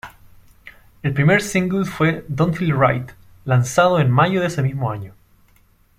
El primer single fue "Don't Feel Right", lanzado en mayo de ese mismo año.